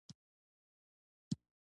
دولت شاه ولسوالۍ غرنۍ ده؟